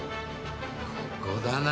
ここだな。